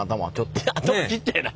ちっちゃいな頭。